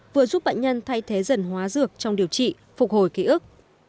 vừa giúp bệnh nhân thay thế dần hóa dược trong điều trị phục hồi ký ức